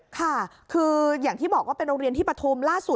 ค่ะคืออย่างที่บอกว่าเป็นโรงเรียนที่ปฐุมล่าสุด